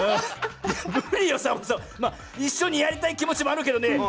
一緒にやりたい気持ちもあるけどね